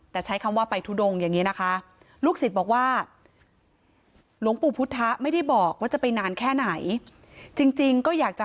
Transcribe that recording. แต่ใช้คำว่าไปทุดงอย่างนี้นะคะ